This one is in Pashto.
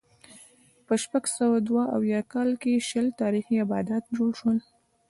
په شپږ سوه دوه اویا کال کې شل تاریخي آبدات جوړ شول